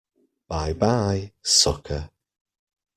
Bye-bye, sucker!